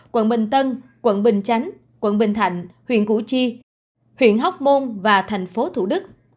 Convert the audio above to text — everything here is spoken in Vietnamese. quận bình tân quận bình chánh quận bình thạnh huyện củ chi huyện hóc môn và thành phố thủ đức